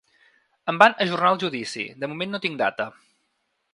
Em van ajornar el judici, de moment no tinc data.